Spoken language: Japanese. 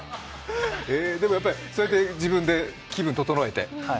でもそうやって自分で気分整えて。